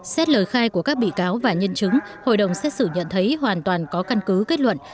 xét lời khai của các bị cáo và nhân chứng hội đồng xét xử nhận thấy hoàn toàn có căn cứ kết luận